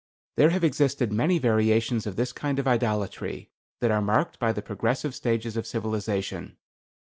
There have existed many variations of this kind of idolatry that are marked by the progressive stages of civilization.